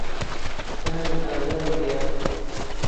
ددانم ئازاری هەیە.